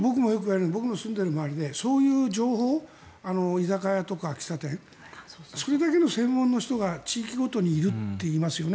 僕の住んでいる周りでそういう情報、居酒屋とか喫茶店それだけの専門の人が地域ごとにいるって言いますよね。